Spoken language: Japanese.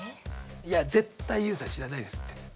いや絶対ＹＯＵさん知らないですって。